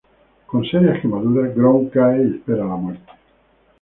Con serias quemaduras, Grom cae y espera la muerte.